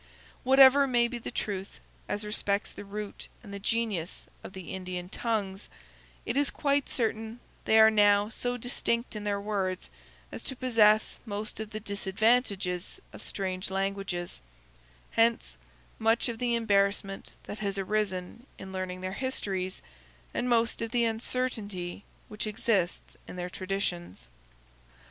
Whatever may be the truth, as respects the root and the genius of the Indian tongues, it is quite certain they are now so distinct in their words as to possess most of the disadvantages of strange languages; hence much of the embarrassment that has arisen in learning their histories, and most of the uncertainty which exists in their traditions.